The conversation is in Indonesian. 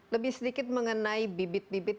lebih sedikit mengenai bibit bibit